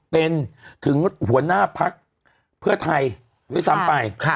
เป็นถึงหัวหน้าพักเพื่อไทยด้วยซ้ำไป